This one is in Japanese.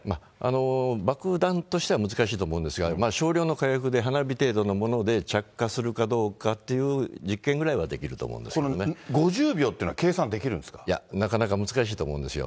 爆弾としては難しいと思うんですが、少量の火薬で花火程度のもので着火するかどうかという実験ぐらいこの５０秒っていうのは計算いや、なかなか難しいと思うんですよ。